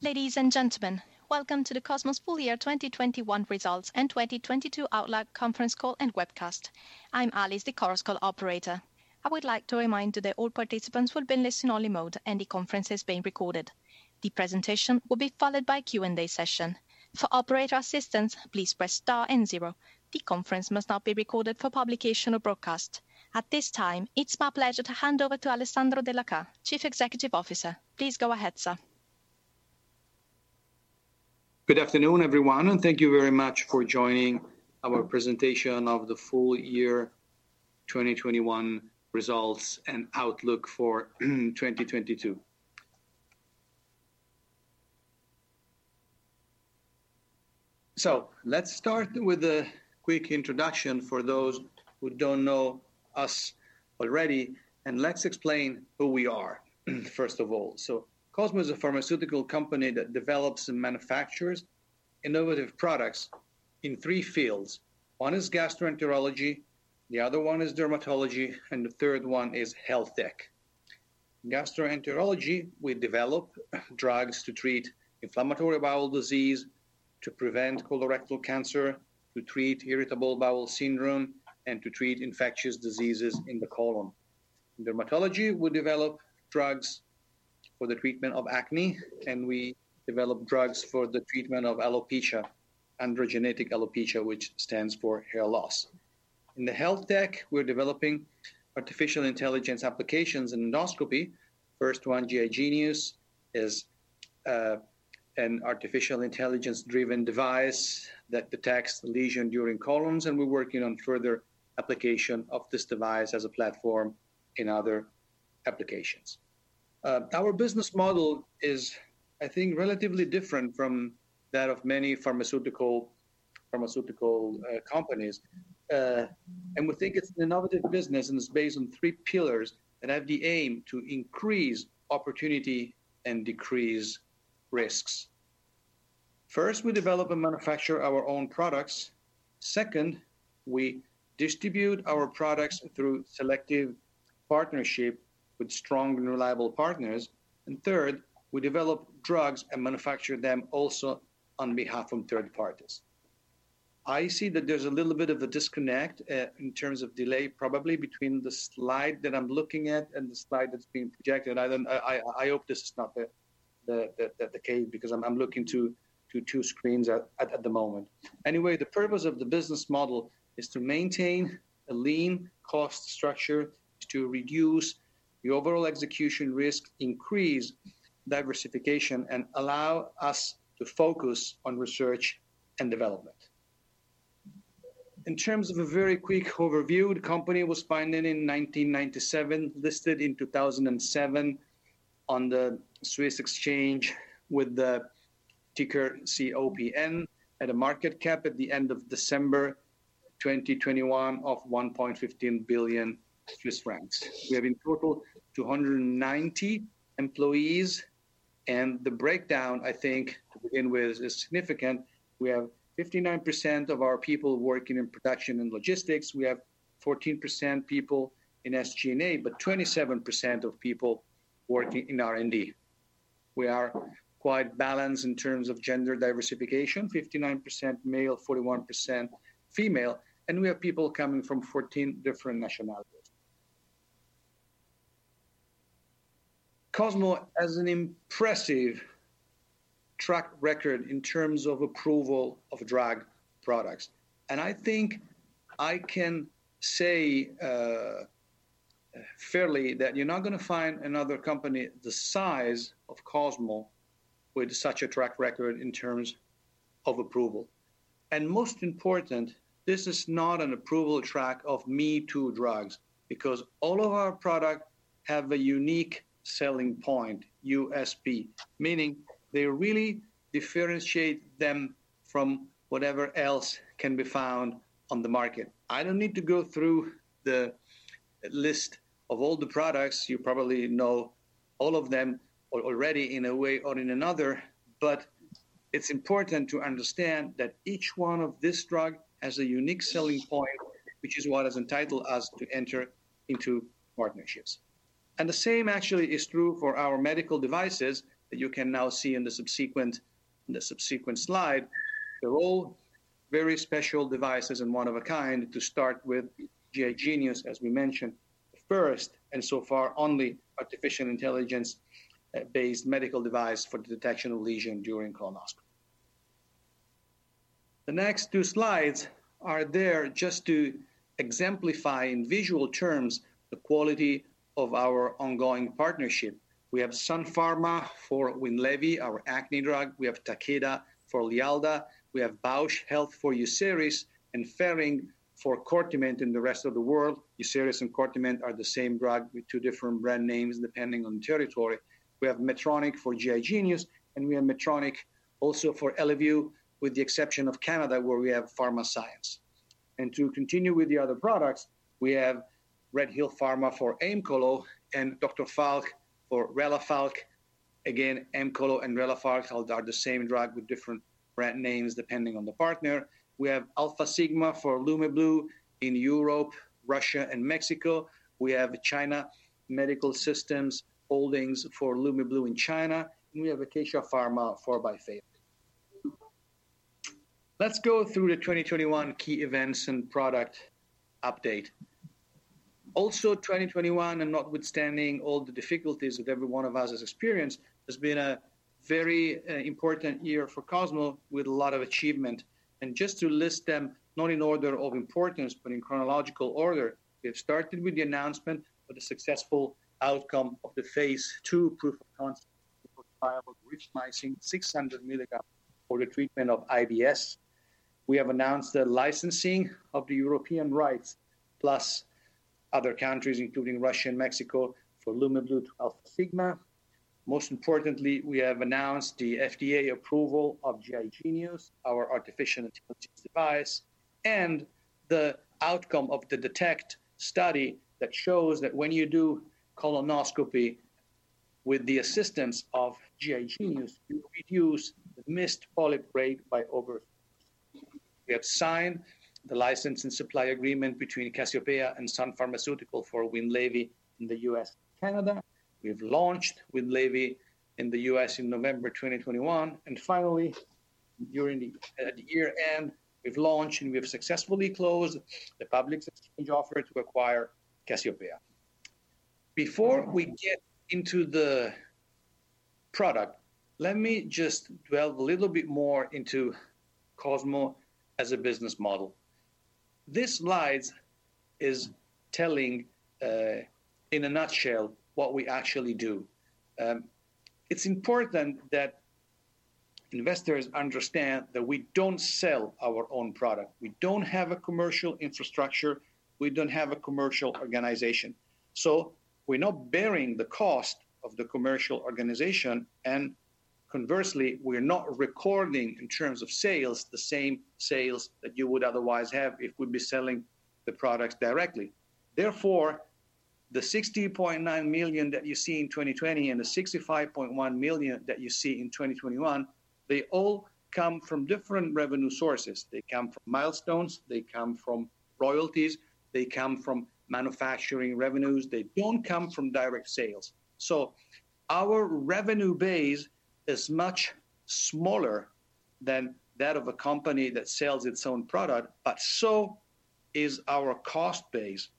Ladies and gentlemen, welcome to the Cosmo's Full Year 2021 Results and 2022 Outlook Conference Call and Webcast. I'm Alice, the conference call operator. I would like to remind you that all participants will be in listen-only mode, and the conference is being recorded. The presentation will be followed by Q&A session. For operator assistance, please press star and zero. The conference must not be recorded for publication or broadcast. At this time, it's my pleasure to hand over to Alessandro Della Chà, Chief Executive Officer. Please go ahead, sir. Good afternoon, everyone, and thank you very much for joining our presentation of the full year 2021 results and outlook for 2022. Let's start with a quick introduction for those who don't know us already, and let's explain who we are, first of all. Cosmo is a pharmaceutical company that develops and manufactures innovative products in three fields. One is gastroenterology, the other one is dermatology, and the third one is health tech. Gastroenterology, we develop drugs to treat inflammatory bowel disease, to prevent colorectal cancer, to treat irritable bowel syndrome, and to treat infectious diseases in the colon. Dermatology, we develop drugs for the treatment of acne, and we develop drugs for the treatment of alopecia, androgenetic alopecia, which stands for hair loss. In the health tech, we're developing artificial intelligence applications in endoscopy. First one, GI Genius, is an artificial intelligence-driven device that detects lesions during colonoscopies, and we're working on further application of this device as a platform in other applications. Our business model is, I think, relatively different from that of many pharmaceutical companies. We think it's an innovative business, and it's based on three pillars that have the aim to increase opportunity and decrease risks. First, we develop and manufacture our own products. Second, we distribute our products through selective partnership with strong and reliable partners. Third, we develop drugs and manufacture them also on behalf of third parties. I see that there's a little bit of a disconnect, in terms of delay probably between the slide that I'm looking at and the slide that's being projected. I hope this is not the case because I'm looking at two screens at the moment. Anyway, the purpose of the business model is to maintain a lean cost structure to reduce the overall execution risk, increase diversification, and allow us to focus on research and development. In terms of a very quick overview, the company was founded in 1997, listed in 2007 on the Swiss Exchange with the ticker COPN at a market cap at the end of December 2021 of 1.15 billion Swiss francs. We have in total 290 employees. The breakdown, I think, to begin with, is significant. We have 59% of our people working in production and logistics. We have 14% people in SG&A, but 27% of people working in R&D. We are quite balanced in terms of gender diversification, 59% male, 41% female, and we have people coming from 14 different nationalities. Cosmo has an impressive track record in terms of approval of drug products. I think I can say fairly that you're not gonna find another company the size of Cosmo with such a track record in terms of approval. Most important, this is not an approval track of me-too drugs because all of our product have a unique selling point, USP, meaning they really differentiate them from whatever else can be found on the market. I don't need to go through the list of all the products. You probably know all of them already in a way or in another. It's important to understand that each one of this drug has a unique selling point, which is what has entitled us to enter into partnerships. The same actually is true for our medical devices that you can now see in the subsequent slide. They're all very special devices and one of a kind to start with GI Genius, as we mentioned, the first and so far only artificial intelligence-based medical device for the detection of lesion during colonoscopy. The next two slides are there just to exemplify in visual terms the quality of our ongoing partnership. We have Sun Pharma for WINLEVI, our acne drug. We have Takeda for LIALDA. We have Bausch Health for UCERIS and Ferring for CORTIMENT in the rest of the world. UCERIS and CORTIMENT are the same drug with two different brand names depending on territory. We have Medtronic for GI Genius, and we have Medtronic also for Eleview, with the exception of Canada, where we have Pharmascience. To continue with the other products, we have RedHill Biopharma for Aemcolo and Dr. Falk Pharma for Relafalk. Again, Aemcolo and Relafalk are the same drug with different brand names depending on the partner. We have Alfasigma for Lumeblue in Europe, Russia, and Mexico. We have China Medical System Holdings Limited for Lumeblue in China, and we have Acacia Pharma for Byfavo. Let's go through the 2021 key events and product update. Also, 2021, and notwithstanding all the difficulties that every one of us has experienced, has been a very, important year for Cosmo with a lot of achievement. Just to list them, not in order of importance, but in chronological order, we have started with the announcement of the successful outcome of the phase II proof of concept of Rifamycin 600 mg for the treatment of IBS. We have announced the licensing of the European rights, plus other countries, including Russia and Mexico, for Lumeblue to Alfasigma. Most importantly, we have announced the FDA approval of GI Genius, our artificial intelligence device, and the outcome of the DETECT study that shows that when you do colonoscopy with the assistance of GI Genius, you reduce the missed polyp rate by over 50%. We have signed the license and supply agreement between Cassiopea and Sun Pharmaceutical for WINLEVI in the U.S. and Canada. We've launched WINLEVI in the U.S. in November 2021. Finally, during the year-end, we've launched and we have successfully closed the public exchange offer to acquire Cassiopea. Before we get into the product, let me just delve a little bit more into Cosmo as a business model. This slide is telling in a nutshell what we actually do. It's important that investors understand that we don't sell our own product. We don't have a commercial infrastructure. We don't have a commercial organization. So we're not bearing the cost of the commercial organization, and conversely, we're not recording in terms of sales, the same sales that you would otherwise have if we'd be selling the products directly. Therefore, the 60.9 million that you see in 2020 and the 65.1 million that you see in 2021, they all come from different revenue sources. They come from milestones. They come from royalties. They come from manufacturing revenues. They don't come from direct sales. Our revenue base is much smaller than that of a company that sells its own product, but so is our cost base.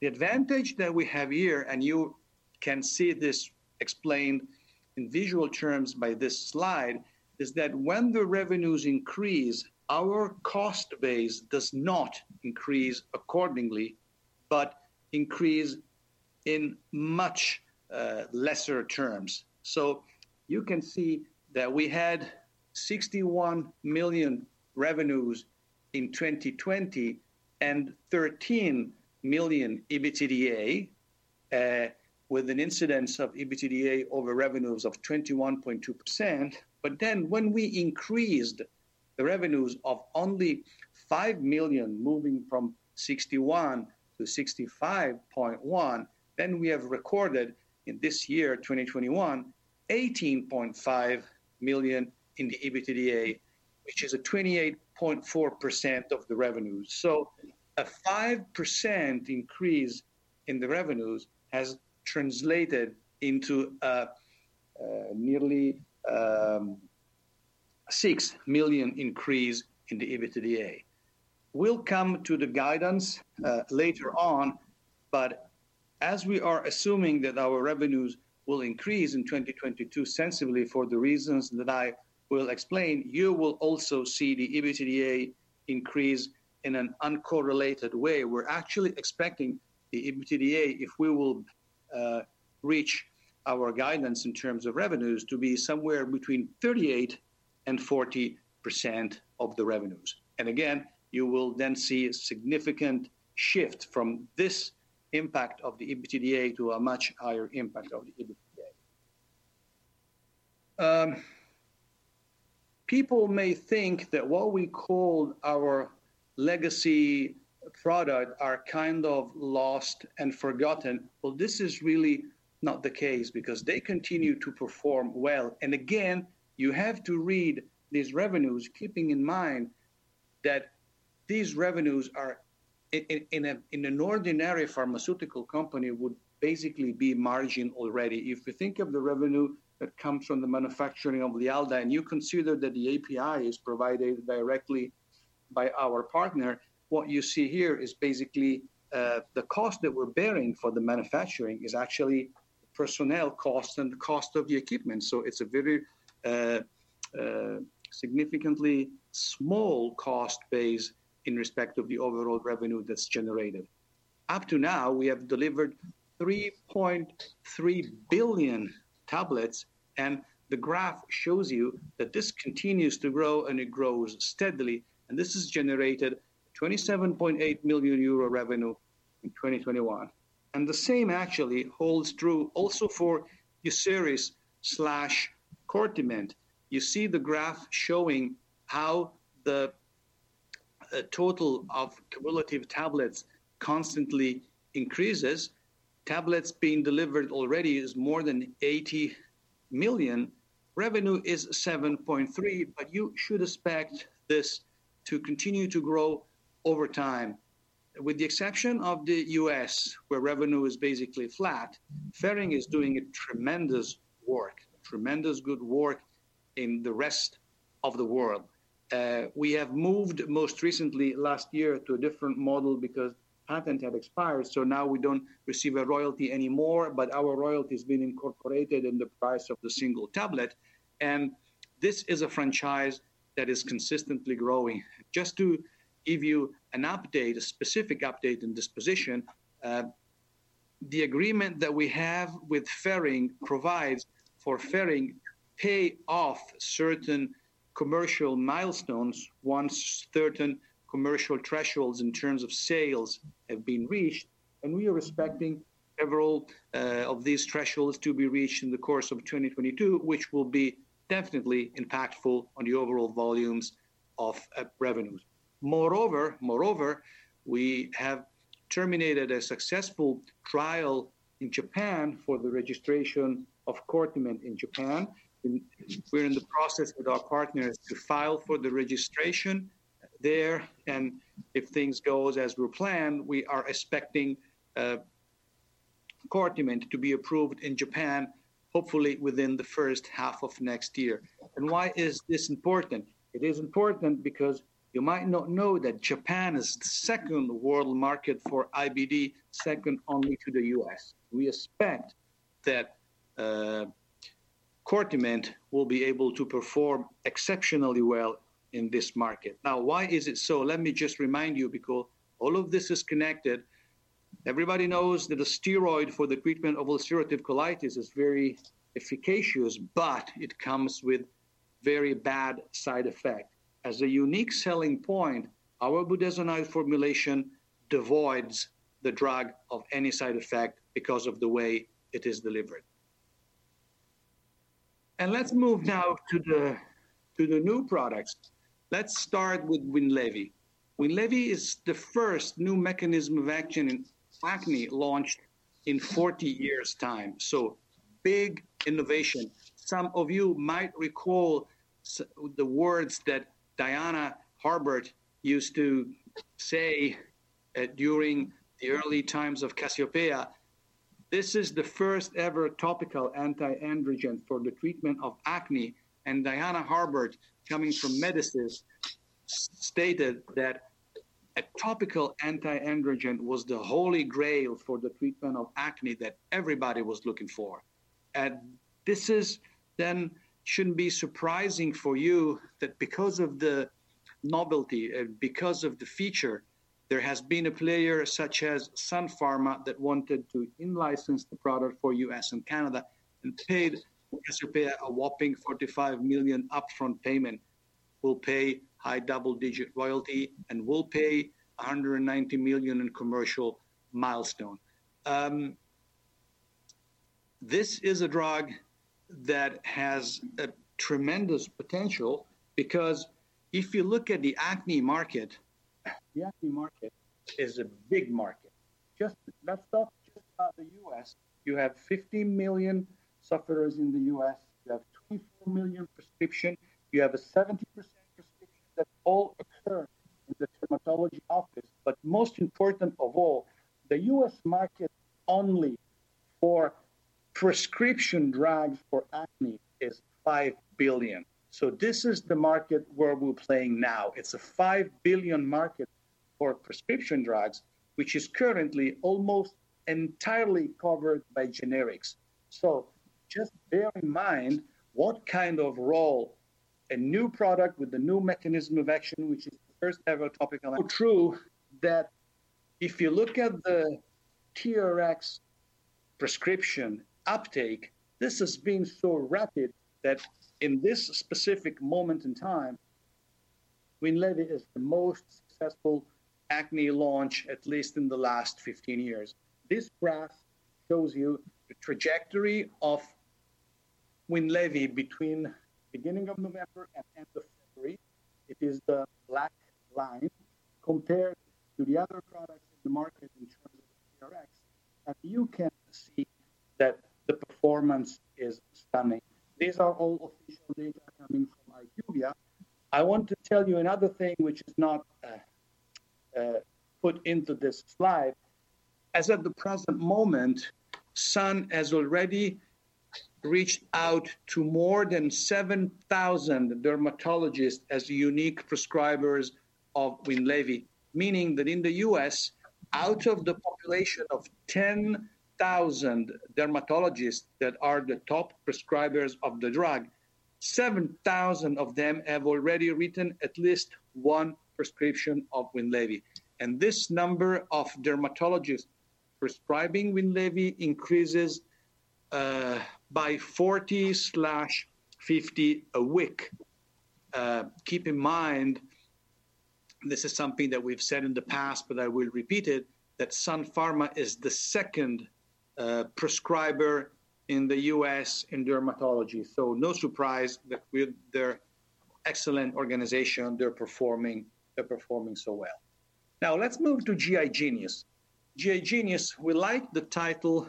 The advantage that we have here, and you can see this explained in visual terms by this slide, is that when the revenues increase, our cost base does not increase accordingly, but increase in much lesser terms. You can see that we had 61 million revenues in 2020 and 13 million EBITDA, with an incidence of EBITDA over revenues of 21.2%. When we increased the revenues of only 5 million moving from 61 to 65.1, then we have recorded in this year, 2021, 18.5 million in the EBITDA, which is a 28.4% of the revenues. A 5% increase in the revenues has translated into a nearly 6 million increase in the EBITDA. We'll come to the guidance later on, but as we are assuming that our revenues will increase in 2022 sensibly for the reasons that I will explain, you will also see the EBITDA increase in an uncorrelated way. We're actually expecting the EBITDA, if we will reach our guidance in terms of revenues, to be somewhere between 38% and 40% of the revenues. Again, you will then see a significant shift from this impact of the EBITDA to a much higher impact of the EBITDA. People may think that what we call our legacy product are kind of lost and forgotten. Well, this is really not the case because they continue to perform well. Again, you have to read these revenues keeping in mind that these revenues are in an ordinary pharmaceutical company would basically be margin already. If you think of the revenue that comes from the manufacturing of LIALDA, and you consider that the API is provided directly by our partner, what you see here is basically the cost that we're bearing for the manufacturing is actually personnel cost and the cost of the equipment. So it's a very significantly small cost base in respect of the overall revenue that's generated. Up to now, we have delivered 3.3 billion tablets, and the graph shows you that this continues to grow, and it grows steadily. This has generated 27.8 million euro revenue in 2021. The same actually holds true also for UCERIS/CORTIMENT. You see the graph showing how the total of cumulative tablets constantly increases. Tablets being delivered already is more than 80 million. Revenue is 7.3, but you should expect this to continue to grow over time. With the exception of the U.S., where revenue is basically flat, Ferring is doing a tremendous good work in the rest of the world. We have moved most recently last year to a different model because patent had expired, so now we don't receive a royalty anymore, but our royalty has been incorporated in the price of the single tablet. This is a franchise that is consistently growing. Just to give you an update, a specific update in this position, the agreement that we have with Ferring provides for Ferring to pay off certain commercial milestones once certain commercial thresholds in terms of sales have been reached. We are expecting several of these thresholds to be reached in the course of 2022, which will be definitely impactful on the overall volumes of revenues. Moreover, we have terminated a successful trial in Japan for the registration of CORTIMENT in Japan. We're in the process with our partners to file for the registration there, and if things goes as we planned, we are expecting CORTIMENT to be approved in Japan, hopefully within the first half of next year. Why is this important? It is important because you might not know that Japan is the second world market for IBD, second only to the U.S. We expect that CORTIMENT will be able to perform exceptionally well in this market. Now why is it so? Let me just remind you because all of this is connected. Everybody knows that a steroid for the treatment of ulcerative colitis is very efficacious, but it comes with very bad side effect. As a unique selling point, our budesonide formulation devoids the drug of any side effect because of the way it is delivered. Let's move now to the new products. Let's start with WINLEVI. WINLEVI is the first new mechanism of action in acne launched in 40 years' time, so big innovation. Some of you might recall the words that Diana Harbort used to say during the early times of Cassiopea. This is the first ever topical anti-androgen for the treatment of acne, and Diana Harbort, coming from Medicis, stated that a topical anti-androgen was the holy grail for the treatment of acne that everybody was looking for. This is then shouldn't be surprising for you that because of the novelty, because of the feature, there has been a player such as Sun Pharma that wanted to in-license the product for U.S. and Canada and paid Cassiopea a whopping $45 million upfront payment, will pay high double-digit royalty, and will pay $190 million in commercial milestone. This is a drug that has a tremendous potential because if you look at the acne market, the acne market is a big market. Just let's talk just about the U.S. You have 50 million sufferers in the U.S., you have 24 million prescription, you have a 70% prescription that all occur in the dermatology office. But most important of all, the U.S. market only for prescription drugs for acne is $5 billion. This is the market where we're playing now. It's a $5 billion market for prescription drugs, which is currently almost entirely covered by generics. Just bear in mind what kind of role a new product with a new mechanism of action, which is the first ever topical. True that if you look at the TRX prescription uptake, this has been so rapid that in this specific moment in time, WINLEVI is the most successful acne launch, at least in the last 15 years. This graph shows you the trajectory of WINLEVI between beginning of November and end of February. It is the black line compared to the other products in the market in terms of TRX. You can see that the performance is stunning. These are all official data coming from IQVIA. I want to tell you another thing which is not put into this slide. As at the present moment, Sun has already reached out to more than 7,000 dermatologists as unique prescribers of WINLEVI. Meaning that in the U.S., out of the population of 10,000 dermatologists that are the top prescribers of the drug, 7,000 of them have already written at least one prescription of WINLEVI. This number of dermatologists prescribing WINLEVI increases by 40-50 a week. Keep in mind, this is something that we've said in the past, but I will repeat it, that Sun Pharma is the second prescriber in the U.S. in dermatology. No surprise that with their excellent organization, they're performing so well. Now let's move to GI Genius. GI Genius, we like the title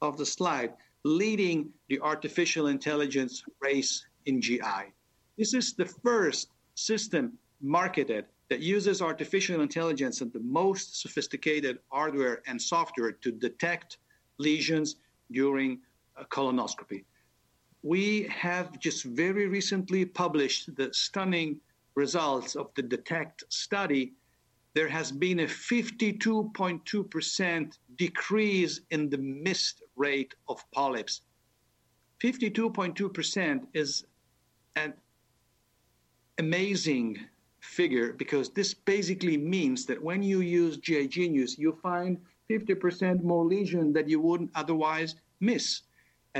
of the slide, leading the artificial intelligence race in GI. This is the first system marketed that uses artificial intelligence and the most sophisticated hardware and software to detect lesions during a colonoscopy. We have just very recently published the stunning results of the DETECT study. There has been a 52.2% decrease in the miss rate of polyps. 52.2% is an amazing figure because this basically means that when you use GI Genius, you find 50% more lesions that you would otherwise miss.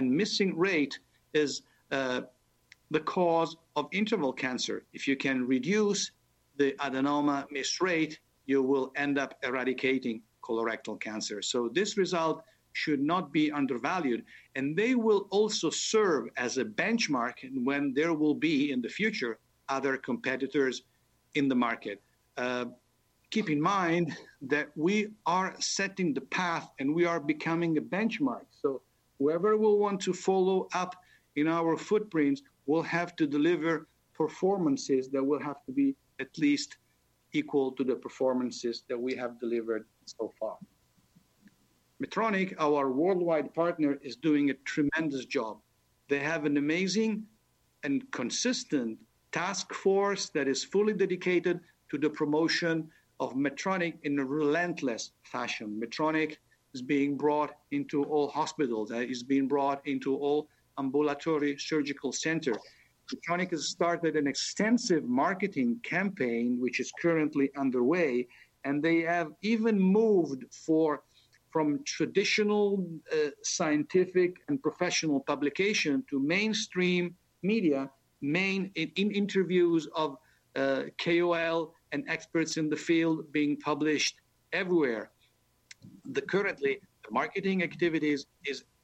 Missing rate is the cause of interval cancer. If you can reduce the adenoma miss rate, you will end up eradicating colorectal cancer. This result should not be undervalued, and they will also serve as a benchmark when there will be, in the future, other competitors in the market. Keep in mind that we are setting the path, and we are becoming a benchmark. Whoever will want to follow up in our footprints will have to deliver performances that will have to be at least equal to the performances that we have delivered so far. Medtronic, our worldwide partner, is doing a tremendous job. They have an amazing and consistent task force that is fully dedicated to the promotion of GI Genius in a relentless fashion. GI Genius is being brought into all hospitals. It is being brought into all ambulatory surgical centers. Medtronic has started an extensive marketing campaign, which is currently underway, and they have even moved from traditional, scientific and professional publications to mainstream media in interviews of KOL and experts in the field being published everywhere. Currently, the marketing activities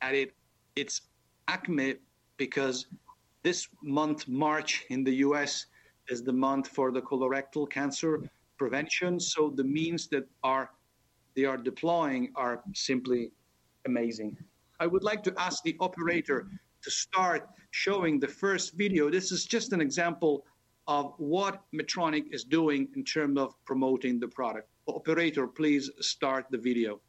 are at its acme because this month, March, in the U.S. is the month for the colorectal cancer prevention. The means that are deploying are simply amazing. I would like to ask the operator to start showing the first video. This is just an example of what Medtronic is doing in terms of promoting the product. Operator, please start the video.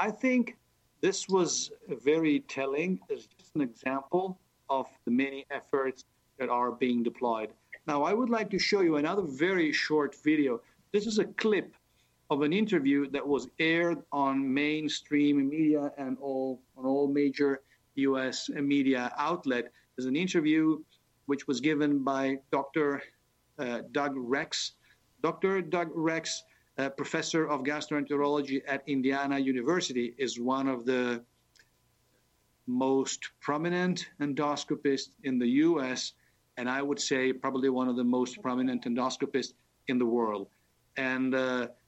Thank you. I think this was very telling. It's just an example of the many efforts that are being deployed. Now, I would like to show you another very short video. This is a clip of an interview that was aired on mainstream media on all major U.S. media outlets. It's an interview which was given by Dr. Doug Rex. Dr. Doug Rex, a professor of gastroenterology at Indiana University, is one of the most prominent endoscopists in the U.S., and I would say probably one of the most prominent endoscopists in the world.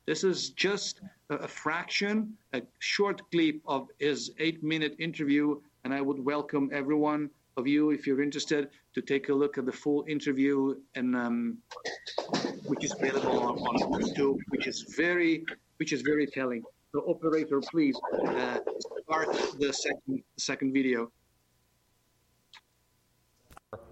This is just a fraction, a short clip of his eight-minute interview, and I would welcome every one of you, if you're interested, to take a look at the full interview and, which is available on YouTube, which is very telling. Operator, please, start the second video.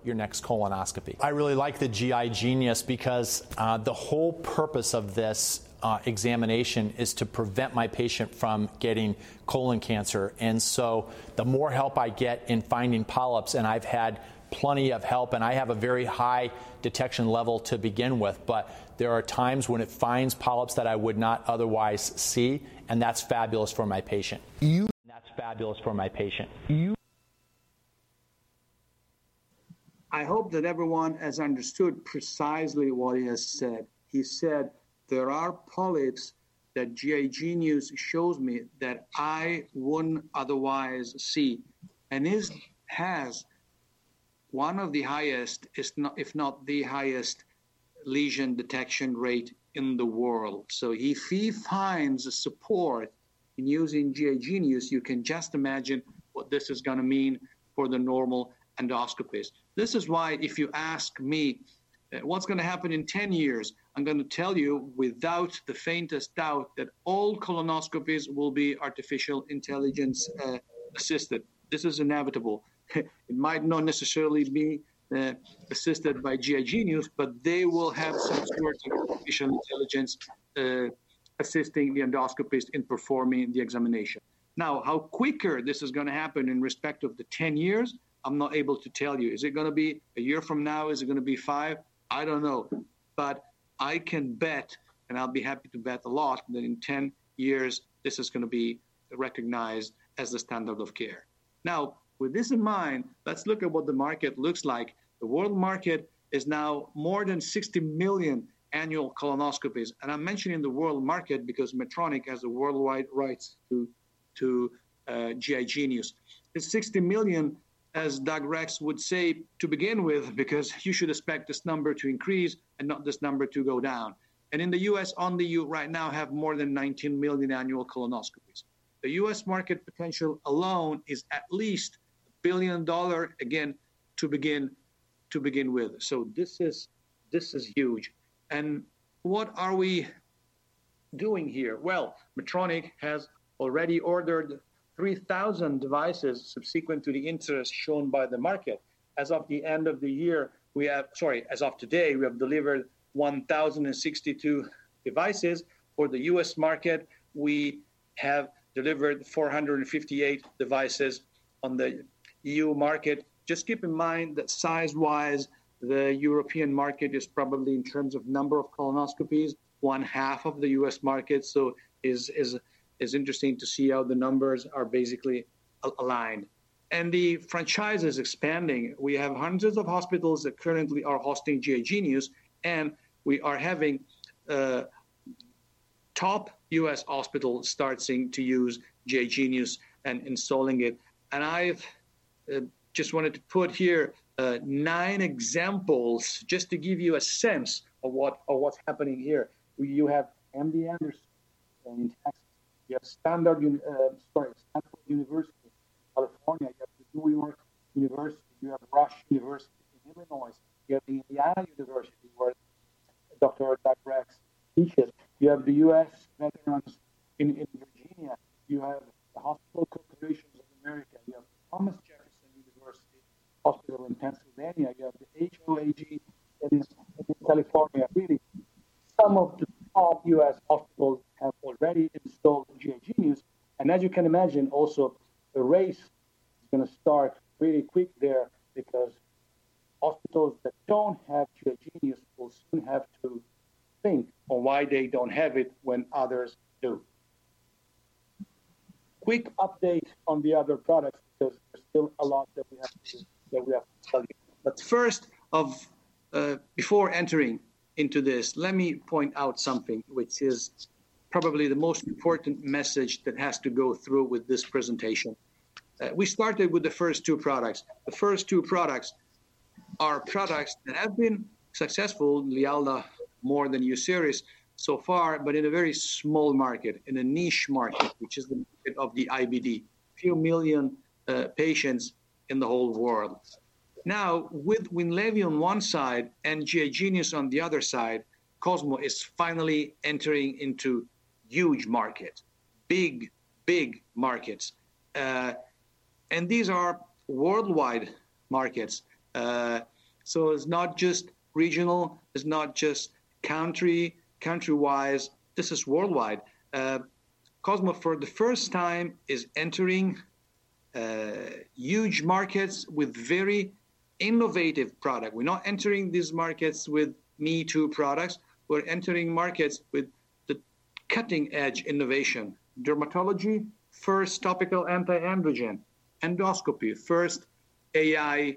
Your next colonoscopy. I really like the GI Genius because the whole purpose of this examination is to prevent my patient from getting colon cancer. The more help I get in finding polyps, and I've had plenty of help, and I have a very high detection level to begin with, but there are times when it finds polyps that I would not otherwise see, and that's fabulous for my patient. I hope that everyone has understood precisely what he has said. He said, "There are polyps that GI Genius shows me that I wouldn't otherwise see." He has one of the highest, if not the highest lesion detection rate in the world. If you ask me, what's gonna happen in 10 years, I'm gonna tell you without the faintest doubt that all colonoscopies will be artificial intelligence assisted. This is inevitable. It might not necessarily be assisted by GI Genius, but they will have some sort of artificial intelligence assisting the endoscopist in performing the examination. Now, how quicker this is gonna happen in respect of the 10 years, I'm not able to tell you. Is it gonna be a year from now? Is it gonna be five? I don't know. I can bet, and I'll be happy to bet a lot, that in 10 years this is gonna be recognized as the standard of care. Now, with this in mind, let's look at what the market looks like. The world market is now more than 60 million annual colonoscopies, and I'm mentioning the world market because Medtronic has the worldwide rights to GI Genius. It's 60 million, as Doug Rex would say, to begin with, because you should expect this number to increase and not this number to go down. In the U.S. only, you right now have more than 19 million annual colonoscopies. The U.S. market potential alone is at least $1 billion, again, to begin with. This is huge. What are we doing here? Well, Medtronic has already ordered 3,000 devices subsequent to the interest shown by the market. Sorry, as of today, we have delivered 1,062 devices. For the U.S. market, we have delivered 458 devices. On the EU market, just keep in mind that size-wise, the European market is probably, in terms of number of colonoscopies, one half of the U.S. market, so is interesting to see how the numbers are basically aligned. The franchise is expanding. We have hundreds of hospitals that currently are hosting GI Genius, and we are having top U.S. hospitals starting to use GI Genius and installing it. I've just wanted to put here nine examples just to give you a sense of what's happening here. You have MD Anderson in Texas. You have Stanford University in California. You have New York University. You have Rush University in Illinois. You have the Indiana University, where Dr. Douglas Rex teaches. You have the U.S. Department of Veterans Affairs in Virginia. You have the Hospital Corporation of America. You have the Hoag that is in California. Really, some of the top U.S. hospitals have already installed GI Genius. As you can imagine, also the race is gonna start really quick there because hospitals that don't have GI Genius will soon have to think on why they don't have it when others do. Quick update on the other products, because there's still a lot that we have to tell you. First off, before entering into this, let me point out something which is probably the most important message that has to go through with this presentation. We started with the first two products. The first two products are products that have been successful, LIALDA more than UCERIS so far, but in a very small market, in a niche market, which is the market of the IBD. Few million patients in the whole world. Now, with WINLEVI on one side and GI Genius on the other side, Cosmo is finally entering into huge markets. Big, big markets. These are worldwide markets. It's not just regional, it's not just country-wise. This is worldwide. Cosmo, for the first time, is entering huge markets with very innovative product. We're not entering these markets with me-too products. We're entering markets with the cutting-edge innovation. Dermatology, first topical anti-androgen. Endoscopy, first AI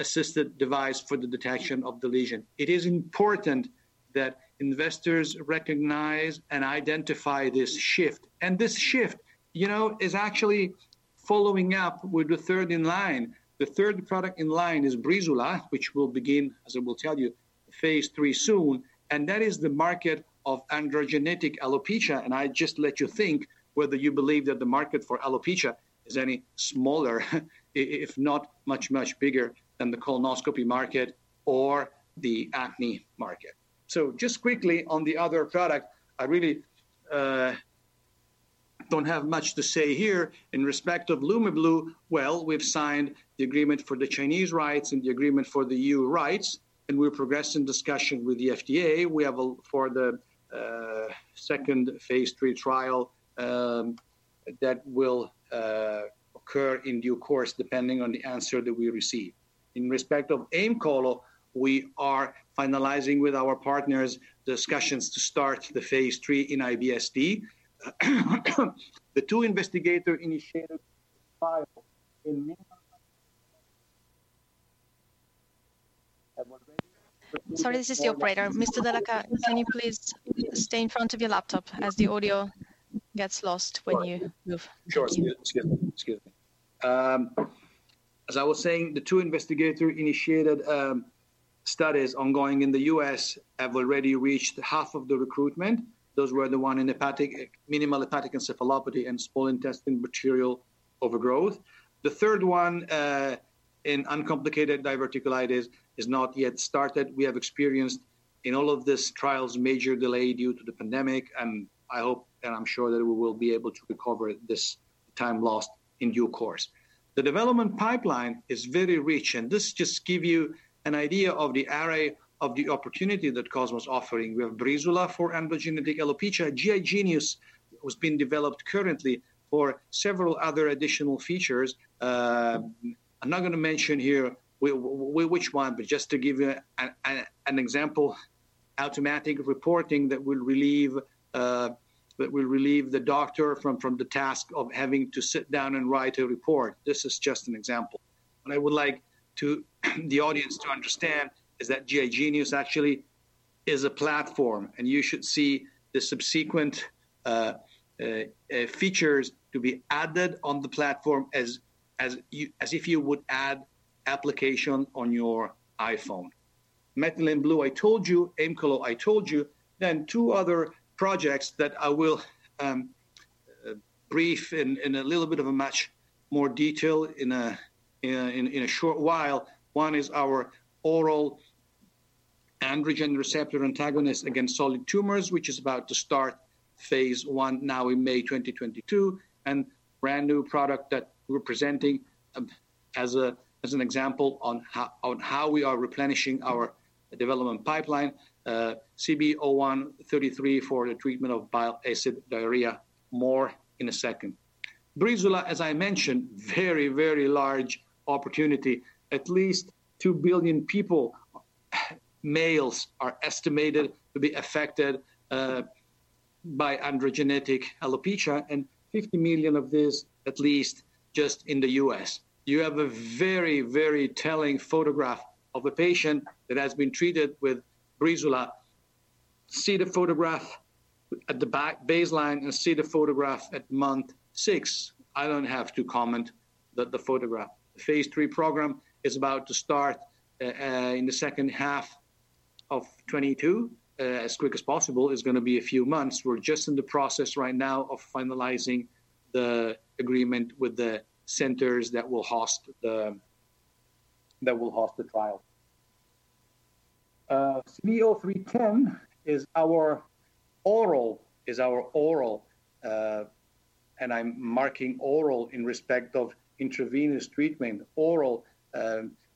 assisted device for the detection of the lesion. It is important that investors recognize and identify this shift. This shift, you know, is actually following up with the third in line. The third product in line is Breezula, which will begin, as I will tell you, phase III soon. That is the market of androgenetic alopecia, and I just let you think whether you believe that the market for alopecia is any smaller, if not much, much bigger than the colonoscopy market or the acne market. Just quickly on the other product, I really don't have much to say here. In respect of Lumeblue, well, we've signed the agreement for the Chinese rights and the agreement for the EU rights, and we're progressing discussion with the FDA. We have a... For the second phase III trial that will occur in due course, depending on the answer that we receive. In respect of Aemcolo, we are finalizing with our partners discussions to start the phase III in IBSD. The two investigator-initiated trial in- Sorry, this is the operator. Mr. Della Chà, can you please stay in front of your laptop as the audio gets lost when you move? Excuse me. As I was saying, the two investigator-initiated studies ongoing in the U.S. have already reached half of the recruitment. Those were the one in minimal hepatic encephalopathy and small intestinal bacterial overgrowth. The third one in uncomplicated diverticulitis has not yet started. We have experienced in all of these trials major delay due to the pandemic, and I hope and I'm sure that we will be able to recover this time lost in due course. The development pipeline is very rich, and this just give you an idea of the array of the opportunity that Cosmo is offering. We have Breezula for androgenetic alopecia. GI Genius was being developed currently for several other additional features. I'm not gonna mention here which one, but just to give you an example, automatic reporting that will relieve the doctor from the task of having to sit down and write a report. This is just an example. What I would like the audience to understand is that GI Genius actually is a platform, and you should see the subsequent features to be added on the platform as if you would add application on your iPhone. Methylene Blue, I told you. Aemcolo, I told you. Then two other projects that I will brief in a little bit in much more detail in a short while. One is our oral androgen receptor antagonist against solid tumors, which is about to start phase I now in May 2022, and brand-new product that we're presenting as an example on how we are replenishing our development pipeline, CB-01-33 for the treatment of bile acid diarrhea. More in a second. Breezula, as I mentioned, very, very large opportunity. At least 2 billion people, males, are estimated to be affected by androgenetic alopecia, and 50 million of these at least just in the U.S. You have a very, very telling photograph of a patient that has been treated with Breezula. See the photograph at the back, baseline and see the photograph at month 6. I don't have to comment on that photograph. Phase III program is about to start in the second half of 2022, as quick as possible. It's gonna be a few months. We're just in the process right now of finalizing the agreement with the centers that will host the trial. CB-03-10 is our oral, and I'm marking oral in respect of intravenous treatment, oral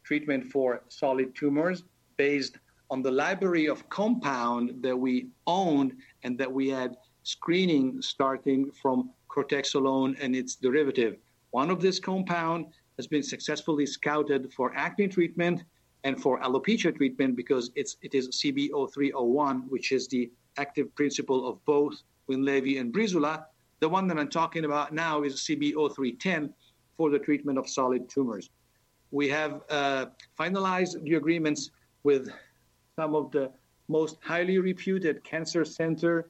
treatment for solid tumors based on the library of compound that we own and that we had screening starting from cortexolone and its derivative. One of this compound has been successfully scouted for acne treatment and for alopecia treatment because it is CB-03-01, which is the active principle of both WINLEVI and Breezula. The one that I'm talking about now is CB-03 for the treatment of solid tumors. We have finalized the agreements with some of the most highly reputed cancer center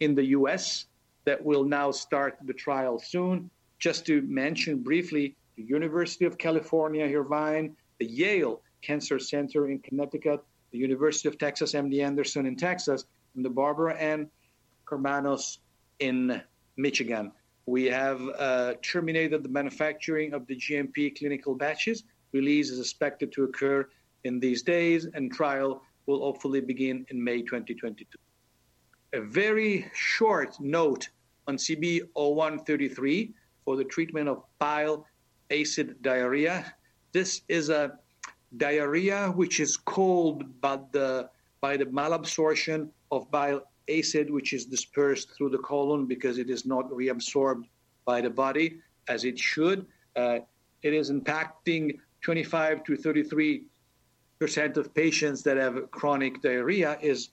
in the U.S. that will now start the trial soon. Just to mention briefly, the University of California, Irvine, the Yale Cancer Center in Connecticut, the University of Texas MD Anderson in Texas, and the Barbara Ann Karmanos in Michigan. We have terminated the manufacturing of the GMP clinical batches. Release is expected to occur in these days, and trial will hopefully begin in May 2022. A very short note on CB-01-33 for the treatment of bile acid diarrhea. This is a diarrhea which is caused by the malabsorption of bile acid, which is dispersed through the colon because it is not reabsorbed by the body as it should. It is impacting 25%-33% of patients that have chronic diarrhea, is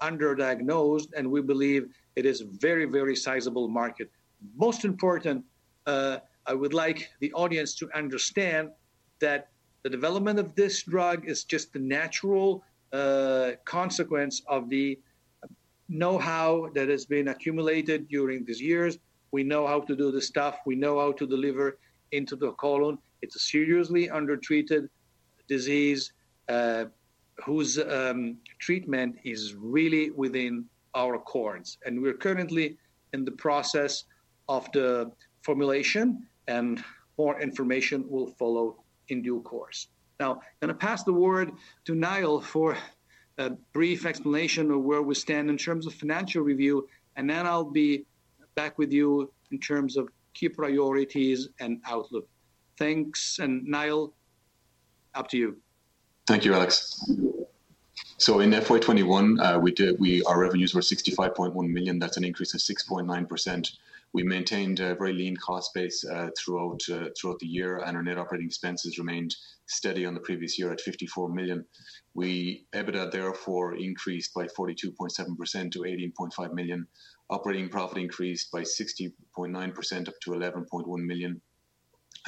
underdiagnosed, and we believe it is a very, very sizable market. Most important, I would like the audience to understand that the development of this drug is just the natural consequence of the know-how that has been accumulated during these years. We know how to do this stuff. We know how to deliver into the colon. It's a seriously undertreated disease whose treatment is really within our competence. We're currently in the process of the formulation, and more information will follow in due course. Now, gonna pass the word to Niall for a brief explanation of where we stand in terms of financial review, and then I'll be back with you in terms of key priorities and outlook. Thanks. Niall, up to you. Thank you, Aless. In FY 2021, our revenues were 65.1 million. That's an increase of 6.9%. We maintained a very lean cost base throughout the year, and our net operating expenses remained steady on the previous year at 54 million. EBITDA therefore increased by 42.7% to 18.5 million. Operating profit increased by 16.9% up to 11.1 million.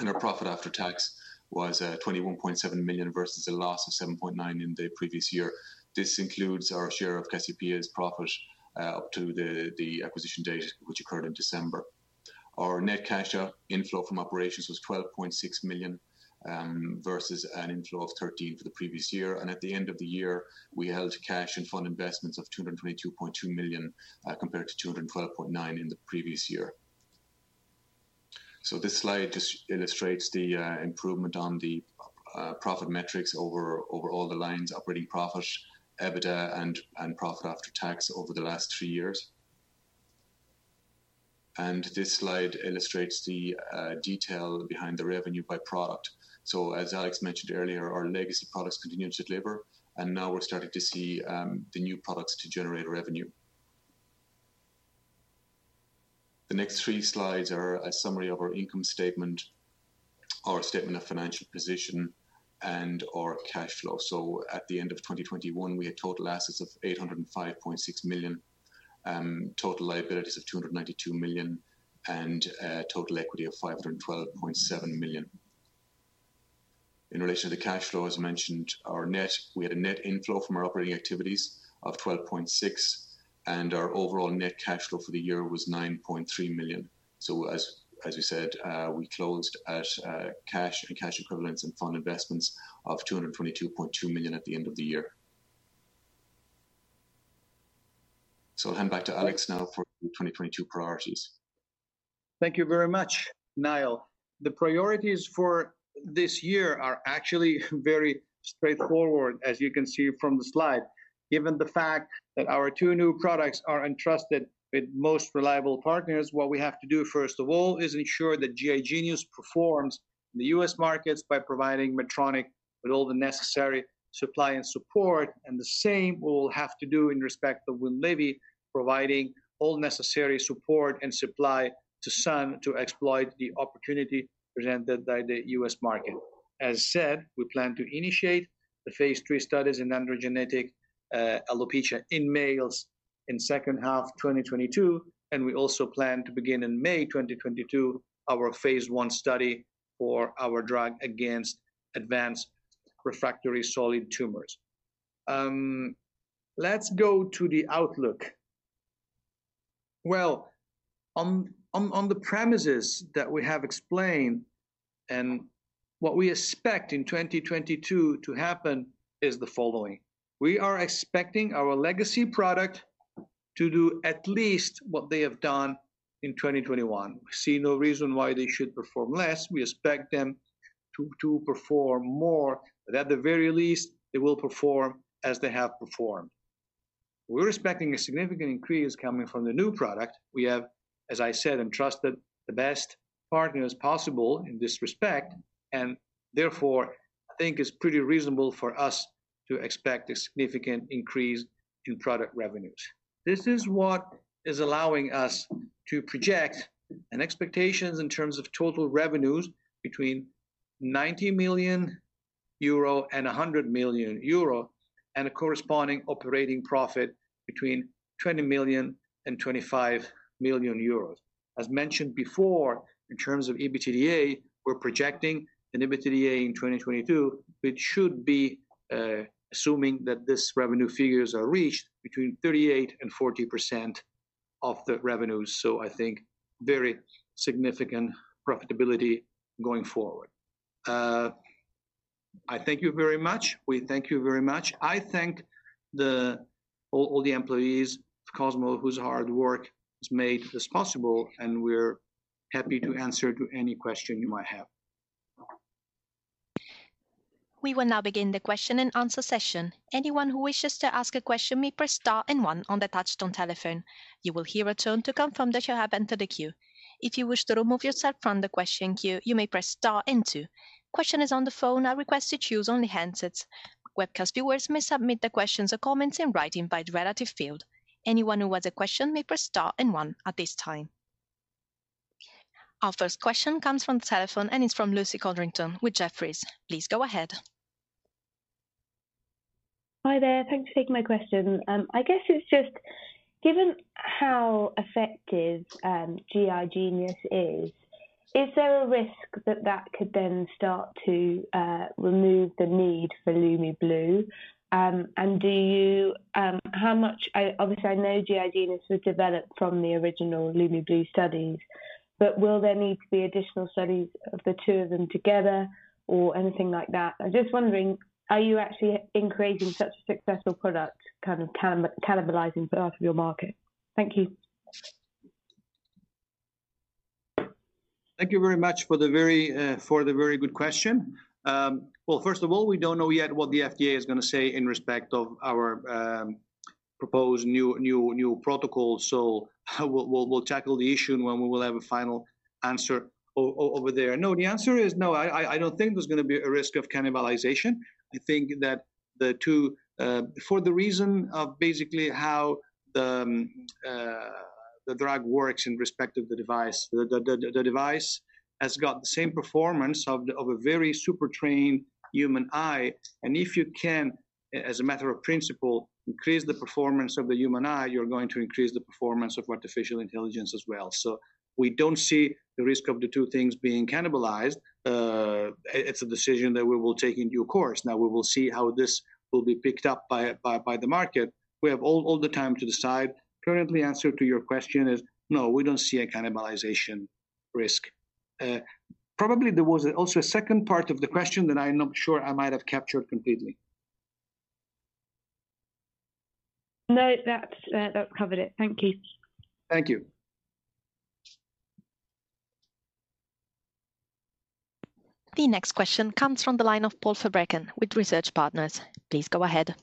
Our profit after tax was 21.7 million versus a loss of 7.9 million in the previous year. This includes our share of Cassiopea's profit up to the acquisition date which occurred in December. Our net cash inflow from operations was 12.6 million versus an inflow of 13 million for the previous year. At the end of the year, we held cash and fund investments of 222.2 million compared to 212.9 million in the previous year. This slide just illustrates the improvement on the profit metrics over all the lines, operating profit, EBITDA and profit after tax over the last three years. This slide illustrates the detail behind the revenue by product. As Aless mentioned earlier, our legacy products continued to deliver, and now we're starting to see the new products to generate revenue. The next three slides are a summary of our income statement, our statement of financial position and our cash flow. At the end of 2021, we had total assets of 805.6 million, total liabilities of 292 million, and total equity of 512.7 million. In relation to the cash flow, as mentioned, we had a net inflow from our operating activities of 12.6 million, and our overall net cash flow for the year was 9.3 million. As we said, we closed at cash and cash equivalents and fund investments of 222.2 million at the end of the year. I'll hand back to Alex now for the 2022 priorities. Thank you very much, Niall. The priorities for this year are actually very straightforward, as you can see from the slide. Given the fact that our two new products are entrusted with most reliable partners, what we have to do first of all is ensure that GI Genius performs in the U.S. markets by providing Medtronic with all the necessary supply and support. The same we'll have to do in respect of WINLEVI, providing all necessary support and supply to Sun to exploit the opportunity presented by the U.S. market. As said, we plan to initiate the phase III studies in androgenetic alopecia in males in second half 2022, and we also plan to begin in May 2022 our phase I study for our drug against advanced refractory solid tumors. Let's go to the outlook. Well, on the premises that we have explained and what we expect in 2022 to happen is the following. We are expecting our legacy product to do at least what they have done in 2021. We see no reason why they should perform less. We expect them to perform more, but at the very least, they will perform as they have performed. We're expecting a significant increase coming from the new product. We have, as I said, entrusted the best partners possible in this respect, and therefore, I think it's pretty reasonable for us to expect a significant increase to product revenues. This is what is allowing us to project an expectations in terms of total revenues between 90 million euro and 100 million euro, and a corresponding operating profit between 20 million and 25 million euros. As mentioned before, in terms of EBITDA, we're projecting an EBITDA in 2022, which should be, assuming that this revenue figures are reached between 38%-40% of the revenues. I think very significant profitability going forward. I thank you very much. We thank you very much. I thank all the employees of Cosmo whose hard work has made this possible, and we're happy to answer to any question you might have. We will now begin the question-and-answer session. Anyone who wishes to ask a question may press star and one on the touchtone telephone. You will hear a tone to confirm that you have entered the queue. If you wish to remove yourself from the question queue, you may press star and two. Questioners on the phone are requested to use only handsets. Webcast viewers may submit their questions or comments in writing by the relevant field. Anyone who has a question may press star and one at this time. Our first question comes from the telephone, and it's from Lucy Codrington with Jefferies. Please go ahead. Hi there. Thanks for taking my question. I guess it's just given how effective GI Genius is there a risk that that could then start to remove the need for Lumeblue? Do you how much? Obviously, I know GI Genius was developed from the original Lumeblue studies, but will there need to be additional studies of the two of them together or anything like that? I'm just wondering, are you actually in creating such a successful product kind of cannibalizing part of your market? Thank you. Thank you very much for the very good question. Well, first of all, we don't know yet what the FDA is gonna say in respect of our proposed new protocol. We'll tackle the issue when we will have a final answer over there. No, the answer is no. I don't think there's gonna be a risk of cannibalization. I think that the two for the reason of basically how the drug works in respect of the device. The device has got the same performance of a very super trained human eye, and if you can as a matter of principle increase the performance of the human eye, you're going to increase the performance of artificial intelligence as well. We don't see the risk of the two things being cannibalized. It's a decision that we will take in due course. Now we will see how this will be picked up by the market. We have all the time to decide. Currently, answer to your question is no, we don't see a cannibalization risk. Probably there was also a second part of the question that I'm not sure I might have captured completely. No, that's, that covered it. Thank you. Thank you. The next question comes from the line of Paul Verbraeken with Research Partners. Please go ahead.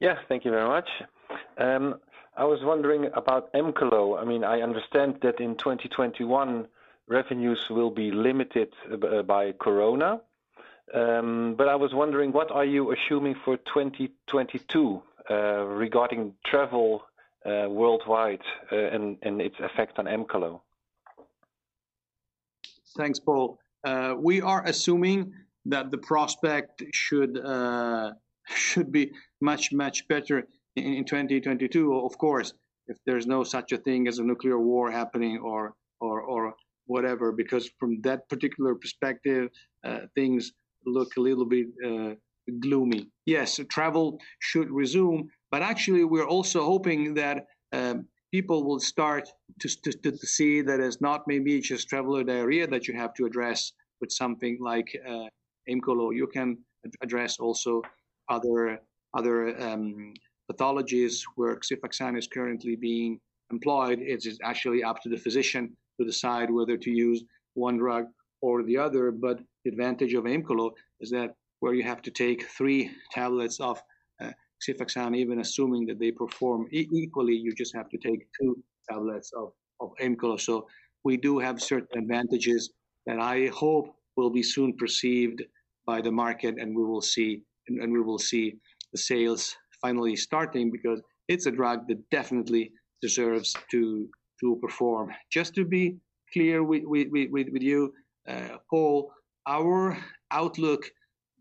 Yes, thank you very much. I was wondering about Aemcolo. I mean, I understand that in 2021 revenues will be limited by Corona. I was wondering what are you assuming for 2022, regarding travel worldwide, and its effect on Aemcolo? Thanks, Paul. We are assuming that the prospect should be much, much better in 2022. Of course, if there's no such a thing as a nuclear war happening or whatever, because from that particular perspective, things look a little bit gloomy. Yes, travel should resume, but actually we're also hoping that people will start to see that it's not maybe just traveler's diarrhea that you have to address with something like Aemcolo. You can address also other pathologies where Cefixime is currently being employed. It's actually up to the physician to decide whether to use one drug or the other. But the advantage of Aemcolo is that where you have to take three tablets of Cefixime, even assuming that they perform equally, you just have to take 2 tablets of Aemcolo. We do have certain advantages that I hope will be soon perceived by the market, and we will see the sales finally starting because it's a drug that definitely deserves to perform. Just to be clear with you, Paul, our outlook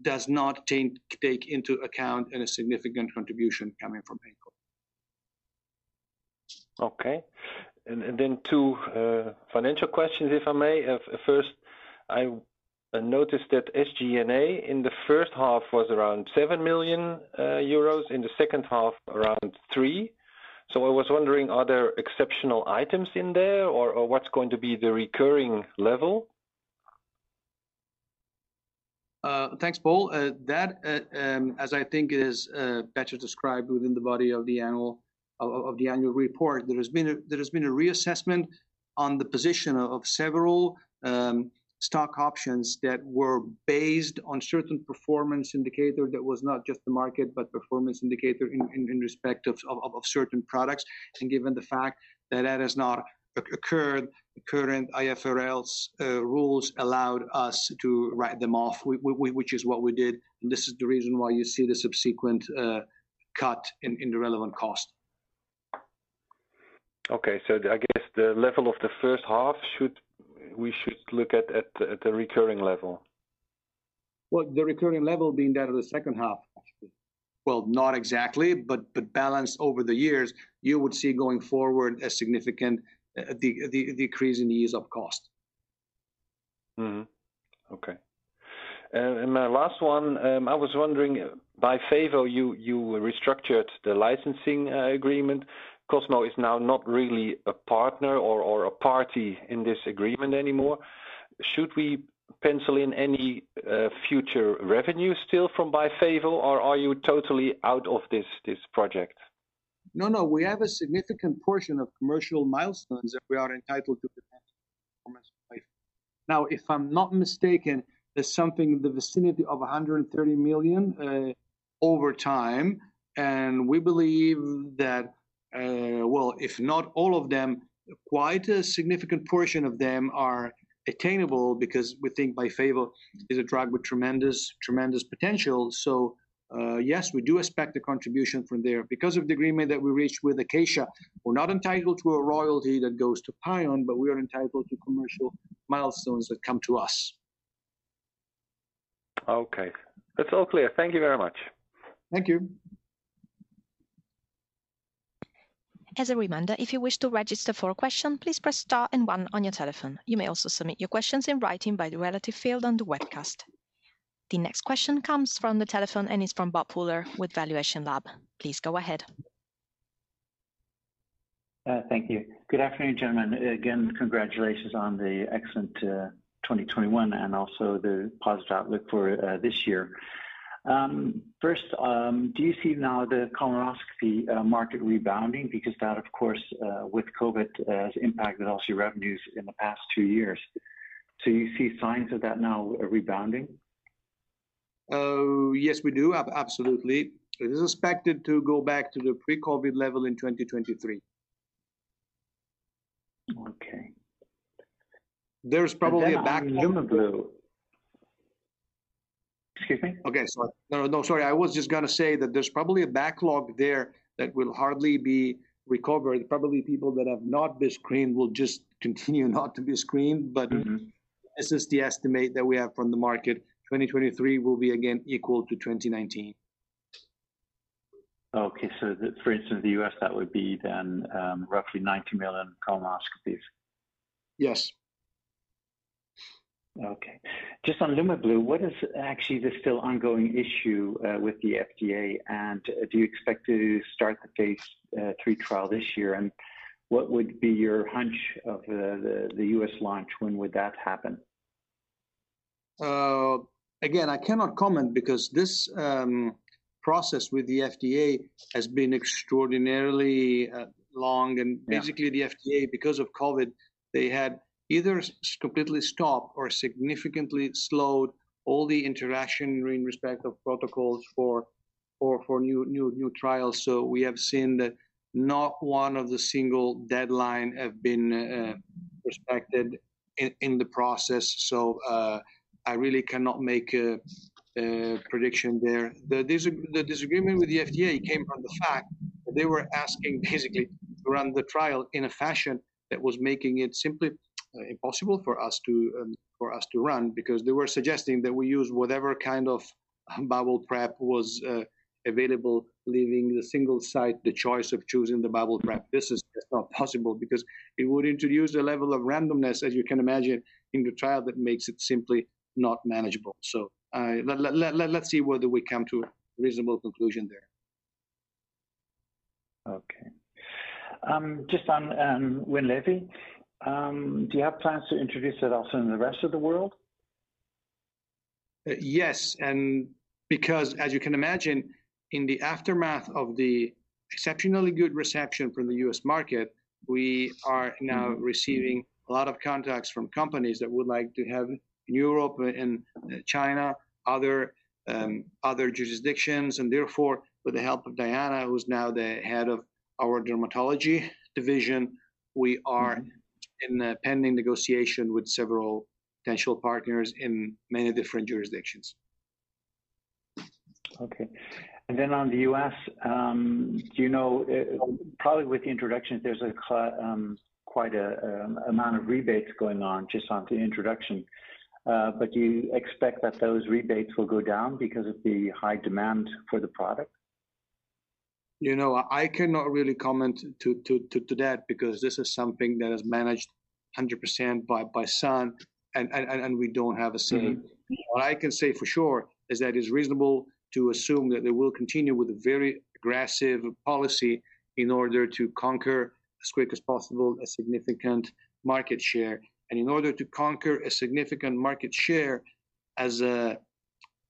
does not take into account any significant contribution coming from Aemcolo. Okay. Then two financial questions, if I may. First, I noticed that SG&A in the first half was around 7 million euros, in the second half around 3 million. I was wondering, are there exceptional items in there or what's going to be the recurring level? Thanks, Paul. That, as I think it is, better described within the body of the annual report, there has been a reassessment on the position of several stock options that were based on certain performance indicator that was not just the market, but performance indicator in respect of certain products. Given the fact that that has not occurred, current IFRS rules allowed us to write them off, which is what we did, and this is the reason why you see the subsequent cut in the relevant cost. Okay. I guess the level of the first half we should look at the recurring level. Well, the recurring level being that of the second half actually. Well, not exactly, but balanced over the years, you would see going forward a significant decrease in SG&A cost. Okay. My last one, I was wondering, Byfavo, you restructured the licensing agreement. Cosmo is now not really a partner or a party in this agreement anymore. Should we pencil in any future revenue still from Byfavo, or are you totally out of this project? No. We have a significant portion of commercial milestones that we are entitled to potentially from Byfavo. Now, if I'm not mistaken, there's something in the vicinity of 130 million over time, and we believe that, well, if not all of them, quite a significant portion of them are attainable because we think Byfavo is a drug with tremendous potential. Yes, we do expect a contribution from there. Because of the agreement that we reached with Acacia, we're not entitled to a royalty that goes to Paion, but we are entitled to commercial milestones that come to us. Okay. That's all clear. Thank you very much. Thank you. As a reminder, if you wish to register for a question, please press star and one on your telephone. You may also submit your questions in writing by the relevant field on the webcast. The next question comes from the telephone, and it's from Bob Fuller with Valuation Lab. Please go ahead. Thank you. Good afternoon, gentlemen. Again, congratulations on the excellent 2021 and also the positive outlook for this year. First, do you see now the colonoscopy market rebounding? Because that of course with COVID has impacted LC revenues in the past two years. Do you see signs of that now rebounding? Yes, we do. Absolutely. It is expected to go back to the pre-COVID level in 2023. Okay. There's probably a backlog. On Lumeblue. Excuse me? Okay. No, sorry. I was just gonna say that there's probably a backlog there that will hardly be recovered. Probably people that have not been screened will just continue not to be screened. This is the estimate that we have from the market. 2023 will be again equal to 2019. Okay. For instance, the U.S. that would be then roughly 90 million colonoscopies. Yes. Okay. Just on Lumeblue, what is actually the still ongoing issue with the FDA, and do you expect to start the phase III trial this year? What would be your hunch of the U.S. launch? When would that happen? Again, I cannot comment because this process with the FDA has been extraordinarily long. Basically the FDA, because of COVID, they had either completely stopped or significantly slowed all the interaction in respect of protocols for new trials. We have seen that not one of the single deadline have been respected in the process. I really cannot make a prediction there. The disagreement with the FDA came from the fact that they were asking basically to run the trial in a fashion that was making it simply impossible for us to run, because they were suggesting that we use whatever kind of bowel prep was available, leaving the single site the choice of choosing the bowel prep. This is just not possible because it would introduce a level of randomness, as you can imagine, in the trial that makes it simply not manageable. Let's see whether we come to a reasonable conclusion there. Just on WINLEVI, do you have plans to introduce it also in the rest of the world? Yes, because as you can imagine, in the aftermath of the exceptionally good reception from the U.S. market, we are now receiving a lot of contacts from companies that would like to have in Europe, in China, other jurisdictions. Therefore, with the help of Diana, who's now the head of our dermatology division, we are in a pending negotiation with several potential partners in many different jurisdictions. Okay. On the U.S., probably with the introduction, there's quite a amount of rebates going on just on the introduction. But do you expect that those rebates will go down because of the high demand for the product? You know, I cannot really comment on that because this is something that is managed 100% by Sun, and we don't have a say. What I can say for sure is that it's reasonable to assume that they will continue with a very aggressive policy in order to conquer as quick as possible a significant market share. In order to conquer a significant market share as a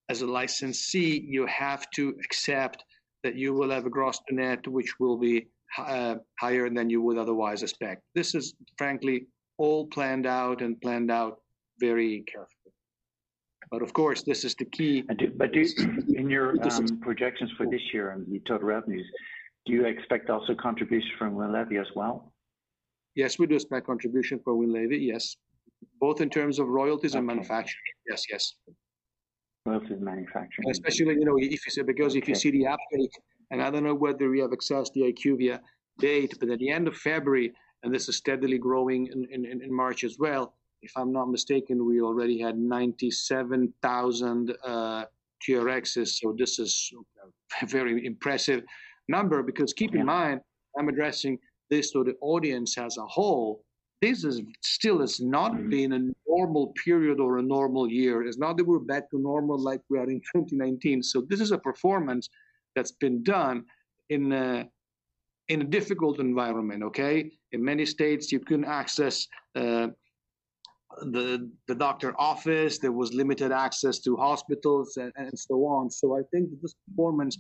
licensee, you have to accept that you will have a gross to net which will be higher than you would otherwise expect. This is frankly all planned out very carefully. Of course, this is the key. In your projections for this year on the total revenues, do you expect also contribution from WINLEVI as well? Yes, we do expect contribution for WINLEVI, yes. Both in terms of royalties and manufacturing. Okay. Yes. Both in manufacturing. Especially when, you know, so because if you see the update, and I don't know whether we have accessed the IQVIA data, but at the end of February, and this is steadily growing in March as well, if I'm not mistaken, we already had 97,000 TRXs, so this is a very impressive number. Because keep in mind Yes. I'm addressing this to the audience as a whole. This still has not been a normal period or a normal year. It's not that we're back to normal like we are in 2019. This is a performance that's been done in a difficult environment, okay? In many states, you couldn't access the doctor office. There was limited access to hospitals and so on. I think this performance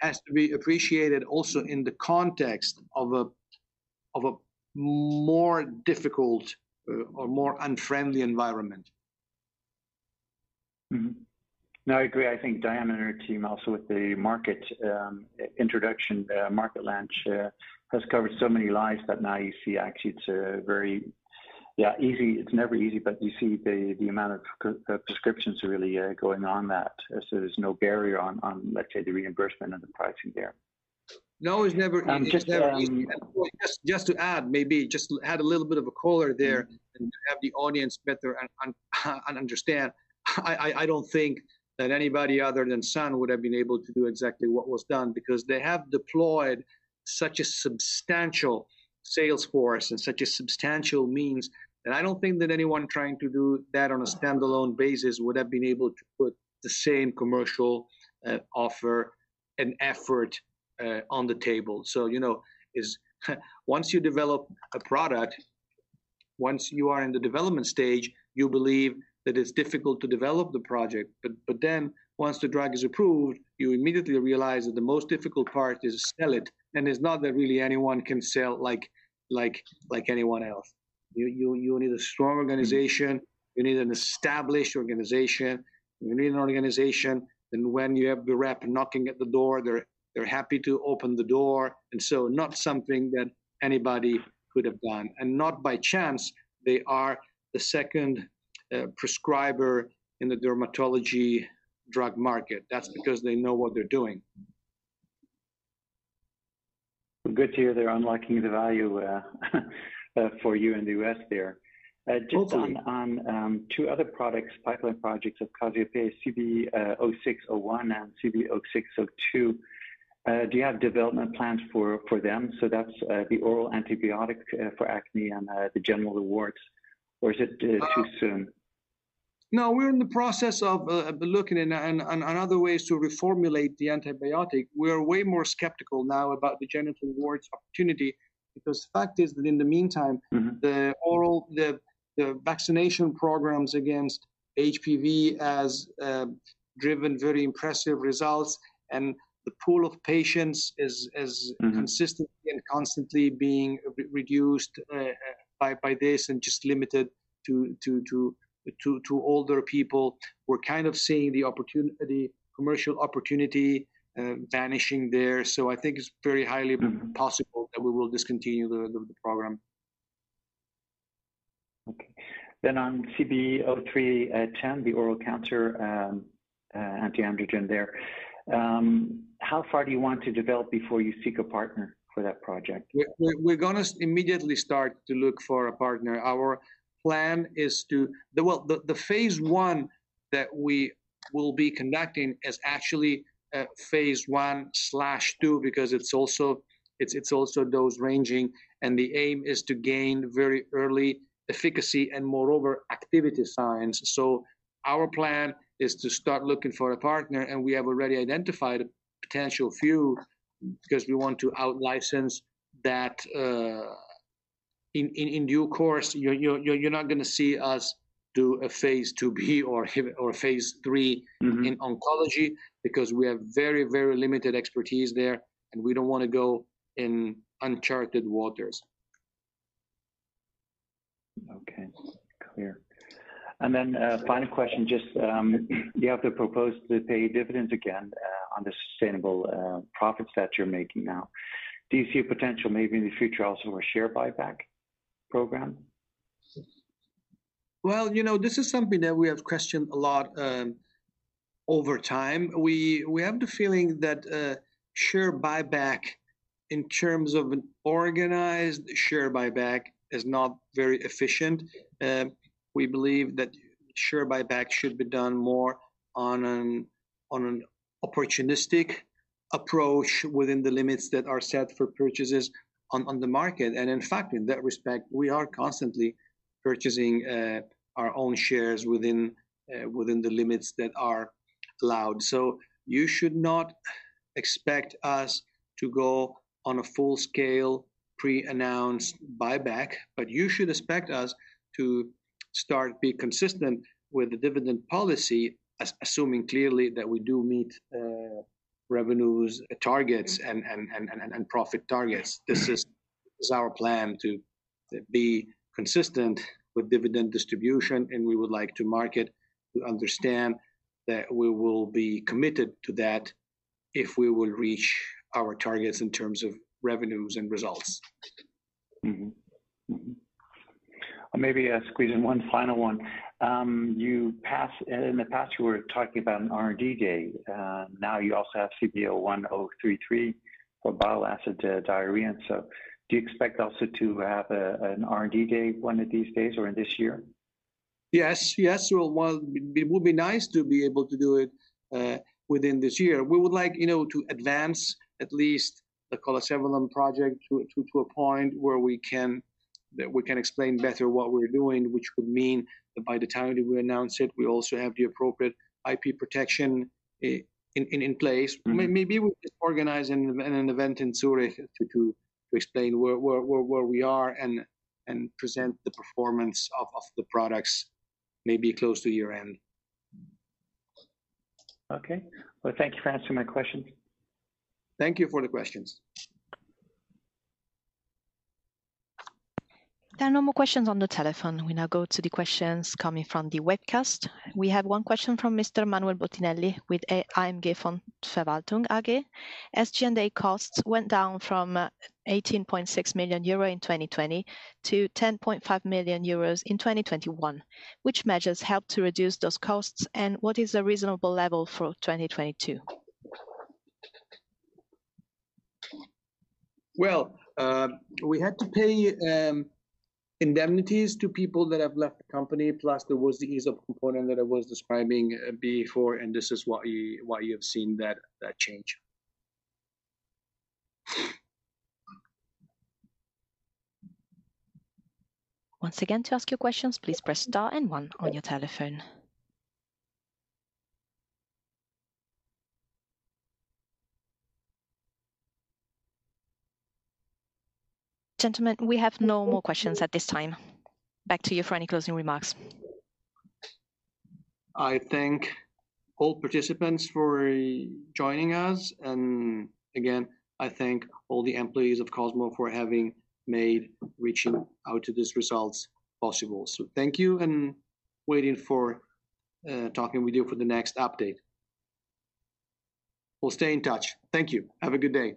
has to be appreciated also in the context of a more difficult or more unfriendly environment. No, I agree. I think Diana and her team also with the market introduction, market launch, has covered so many lives that now you see actually it's a very easy. It's never easy, but you see the amount of pre-prescriptions really going on that. There's no barrier on, let's say, the reimbursement and the pricing there. No, it's never easy. To add a little bit of color there and to have the audience better understand, I don't think that anybody other than Sun would have been able to do exactly what was done because they have deployed such a substantial sales force and such a substantial means that I don't think that anyone trying to do that on a standalone basis would have been able to put the same commercial offer and effort on the table. So, you know, once you develop a product, once you are in the development stage, you believe that it's difficult to develop the project. Then once the drug is approved, you immediately realize that the most difficult part is to sell it. It's not that really anyone can sell like anyone else. You need a strong organization. You need an established organization. You need an organization that when you have the rep knocking at the door, they're happy to open the door. Not something that anybody could have done. Not by chance they are the second prescriber in the dermatology drug market. That's because they know what they're doing. Good to hear they're unlocking the value, for you in the U.S. there. Totally. Just on two other products, pipeline projects of Cassiopea, CB-06-01 and CB-06-02. Do you have development plans for them? That's the oral antibiotic for acne and the genital warts, or is it too soon? No, we're in the process of looking and other ways to reformulate the antibiotic. We are way more skeptical now about the genital warts opportunity because the fact is that in the meantime the vaccination programs against HPV has driven very impressive results. The pool of patients is consistently and constantly being re-reduced by this and just limited to older people. We're kind of seeing the opportunity, commercial opportunity, vanishing there. I think it's very highly. It's possible that we will discontinue the program. On CB-03-10, the oral cancer anti-androgen there. How far do you want to develop before you seek a partner for that project? We're gonna immediately start to look for a partner. Our plan is to well, the phase I that we will be conducting is actually phase I/II because it's also dose ranging, and the aim is to gain very early efficacy and moreover, activity signs. Our plan is to start looking for a partner, and we have already identified a potential few because we want to out-license that in due course. You're not gonna see us do a phase IIb or phase III in oncology because we have very, very limited expertise there, and we don't wanna go in uncharted waters. Okay. Clear. Then, final question, just, you have to propose to pay dividends again on the sustainable profits that you're making now. Do you see a potential maybe in the future also a share buyback program? Well, you know, this is something that we have questioned a lot over time. We have the feeling that share buyback in terms of an organized share buyback is not very efficient. We believe that share buyback should be done more on an opportunistic approach within the limits that are set for purchases on the market. In fact, in that respect, we are constantly purchasing our own shares within the limits that are allowed. You should not expect us to go on a full-scale pre-announced buyback, but you should expect us to start be consistent with the dividend policy, assuming clearly that we do meet revenues targets and profit targets. This is our plan to be consistent with dividend distribution, and we would like to make the market understand that we will be committed to that if we will reach our targets in terms of revenues and results. I'll maybe squeeze in one final one. In the past, you were talking about an R&D day. Now you also have CB-01-33 for bile acid diarrhea. Do you expect also to have an R&D day one of these days or in this year? Yes. Well, one, it would be nice to be able to do it within this year. We would like, you know, to advance at least the colesevelam project to a point where we can explain better what we're doing, which would mean that by the time that we announce it, we also have the appropriate IP protection in place. Maybe we organize an event in Zurich to explain where we are and present the performance of the products maybe close to year-end. Okay. Well, thank you for answering my questions. Thank you for the questions. There are no more questions on the telephone. We now go to the questions coming from the webcast. We have one question from Mr. Manuel Bottinelli with AMG Fondsverwaltung AG. As G&A costs went down from 18.6 million euro in 2020 to 10.5 million euros in 2021, which measures helped to reduce those costs, and what is a reasonable level for 2022? Well, we had to pay indemnities to people that have left the company, plus there was the ESOP component that I was describing before, and this is why you have seen that change. Once again, to ask your questions, please press star and one on your telephone. Gentlemen, we have no more questions at this time. Back to you for any closing remarks. I thank all participants for joining us. Again, I thank all the employees of Cosmo for having made achieving these results possible. Thank you, and looking forward to talking with you for the next update. We'll stay in touch. Thank you. Have a good day.